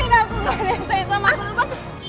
nggak risau sama aku